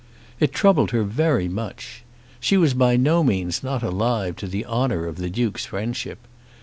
It troubled her very much. She was by no means not alive to the honour of the Duke's friendship.